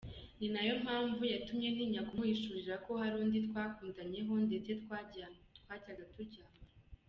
Ninayo mpamvu yatumye ntinya kumuhishurira ko hari undi twakundanyeho ndetse twajyaga turyamana.